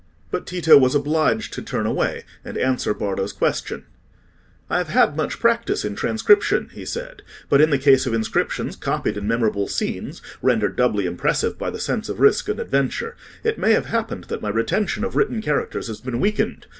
But Tito was obliged to turn away, and answer Bardo's question. "I have had much practice in transcription," he said; "but in the case of inscriptions copied in memorable scenes, rendered doubly impressive by the sense of risk and adventure, it may have happened that my retention of written characters has been weakened.